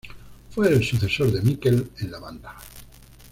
Fue el sucesor de Mikel en la banda.